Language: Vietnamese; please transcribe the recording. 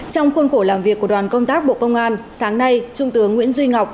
trong khuôn khổ làm việc của đoàn công tác bộ công an sáng nay trung tướng nguyễn duy ngọc